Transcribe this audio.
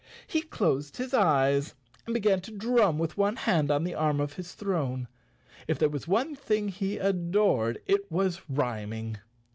He closed his eyes and began to drum with one hand on the arm of his throne. If there was one thing he adored it was rhyming.